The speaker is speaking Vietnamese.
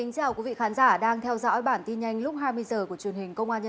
cảm ơn các bạn đã theo dõi